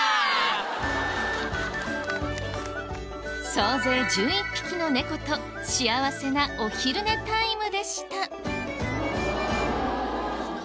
総勢１１匹の猫と幸せなお昼寝タイムでした。